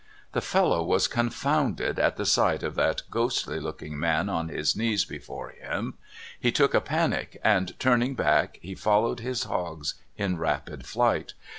The fellow was confounded at the sight of that ghostly looking man on his knees before him ; he took a panic, and, turning back, he followed his hogs in rapid flight.